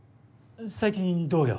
最近どうよ。